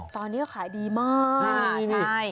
ตอนนี้เขาขายดีมาก